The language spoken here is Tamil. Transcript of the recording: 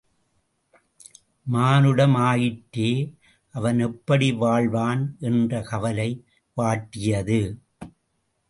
மானுடம் ஆயிற்றே அவன் எப்படி வாழ்வான் என்ற கவலை வாட்டியது.